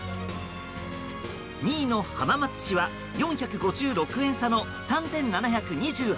２位の浜松市は４５６円差の３７２８円。